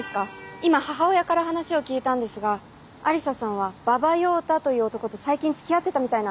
今母親から話を聞いたんですが愛理沙さんは馬場耀太という男と最近つきあってたみたいなんです。